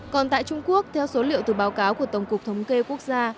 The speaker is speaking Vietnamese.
còn tại trung quốc theo số liệu từ báo cáo của tổng cục thống kê quốc gia